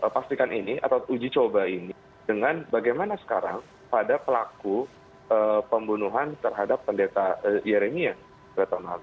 pastikan ini atau uji coba ini dengan bagaimana sekarang pada pelaku pembunuhan terhadap pendeta yeremia pada tahun lalu